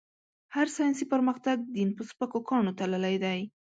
هر ساينسي پرمختګ؛ دين په سپکو کاڼو تللی دی.